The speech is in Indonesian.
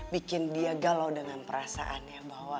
bikin dia galau dengan perasaannya bahwa